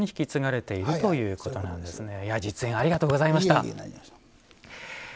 実演ありがとうございました。